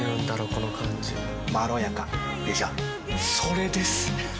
この感じまろやかでしょそれです！